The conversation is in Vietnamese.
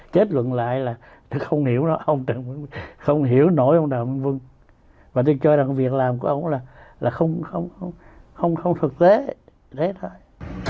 chết luận lại là tôi không hiểu đâu ông trần vân không hiểu nổi ông đàm vân và tôi cho rằng việc làm của ông là là không không không không không thực tế thế thôi